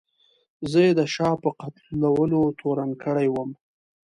زه یې د شاه په قتلولو تورن کړی وم.